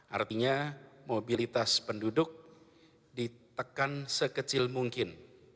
artinya mobilitas penduduk ditekan sekecil mungkin